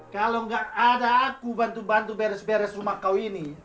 kalau nggak ada aku bantu bantu beres beres rumah kau ini